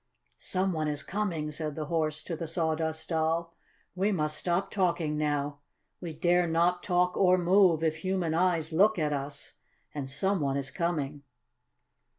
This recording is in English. "Some one is coming," said the Horse to the Sawdust Doll. "We must stop talking now. We dare not talk or move if human eyes look at us, and some one is coming."